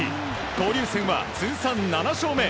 交流戦は通算７勝目。